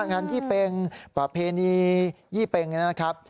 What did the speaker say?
ยี่เป็งประเพณียี่เป็งนะครับ